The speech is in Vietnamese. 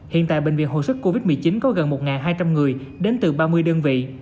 hiện tại bệnh viện hồi sức covid một mươi chín có gần một hai trăm linh người đến từ ba mươi đơn vị